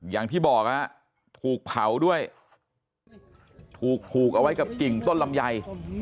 อย่างที่บอกถูกเผาด้วยถูกผูกเอาไว้กับกิ่งต้นลำไย